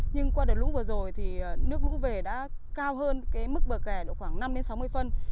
nhưng qua đợt lũ vừa rồi nước lũ về đã cao hơn mức bờ kè khoảng năm sáu mươi phân